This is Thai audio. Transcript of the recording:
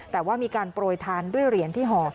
แต่ว่ามีการโปรยทานด้วยเหรียญที่ห่อ